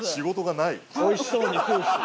おいしそうに食うし。